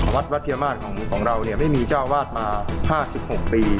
วัดวัดเทียมมารของเราไม่มีเจ้าวาดมา๕๖ปี